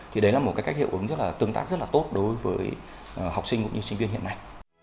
thì đấy là một cái cách hiệu ứng rất là tương tác rất là tốt đối với học sinh cũng như sinh viên hiện nay